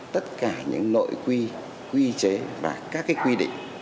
tất cả những nội quy quy chế và các quy định